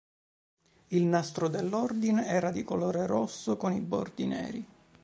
Il nastro dell'Ordine era di colore rosso con i bordi neri.